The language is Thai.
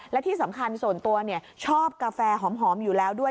และที่สำคัญส่วนตัวชอบกาแฟหอมอยู่แล้วด้วย